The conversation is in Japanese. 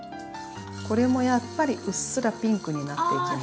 これもやっぱりうっすらピンクになっていきます。